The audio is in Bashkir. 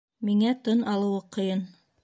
Миңә тын алыуы ҡыйын.